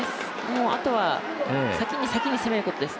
あとは先に先に攻めることです。